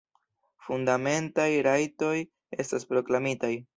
Fundamentaj rajtoj estas proklamitaj.